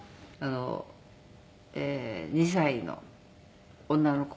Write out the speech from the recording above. ２歳の女の子が。